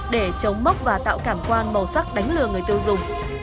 để chống mốc và tạo cảm quan màu sắc đánh lừa người tiêu dùng